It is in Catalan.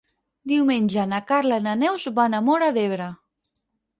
Diumenge na Carla i na Neus van a Móra d'Ebre.